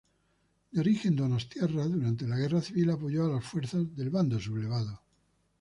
De origen donostiarra, durante la Guerra civil apoyó a las fuerzas del Bando sublevado.